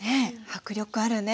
迫力あるね。